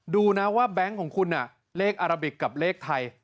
ดูนะว่าแบงค์ของคุณเลขอาราบิกกับเลขไทย